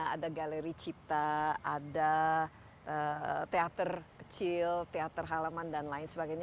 ada galeri cipta ada teater kecil teater halaman dan lain sebagainya